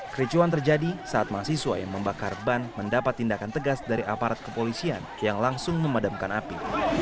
kericuan terjadi saat mahasiswa yang membakar ban mendapat tindakan tegas dari aparat kepolisian yang langsung memadamkan api